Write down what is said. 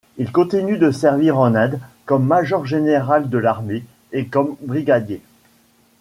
Il continue de servir en Inde comme major-général de l'armée et comme brigadier.